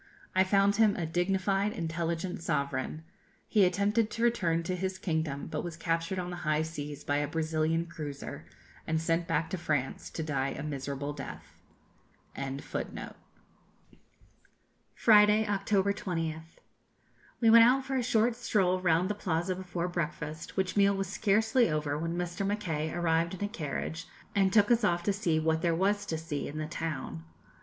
I found him a dignified, intelligent sovereign. He attempted to return to his kingdom, but was captured on the high seas by a Brazilian cruiser, and sent back to France to die a miserable death.] Friday, October 20th. We went out for a short stroll round the Plaza before breakfast, which meal was scarcely over when Mr. Mackay arrived in a carriage, and took us off to see what there was to see in the town.